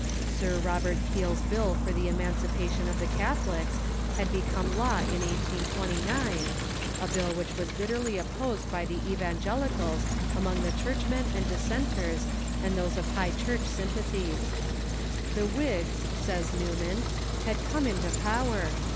Sir Robert Peel's bill for the emancipation of the Catholics had become law in 1829, a bill which was bitterly opposed by the Evangelicals among the churchmen and dissenters and those 352 THE MODERN CHURCH of High Church sympathies. "The Whigs," says Newman, " had come into power.